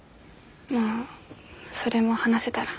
まあそれも話せたら。